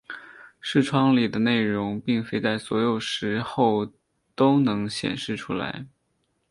视窗里的内容并非在所有时候都能显示出来。